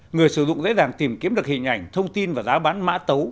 người sử dụng dễ dàng tìm kiếm được hình ảnh thông tin và giá bán mã tấu